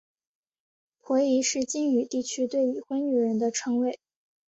婆姨是晋语地区对已婚女人的称谓。